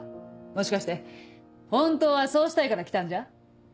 もしかして本当はそうしたいから来たんじゃ？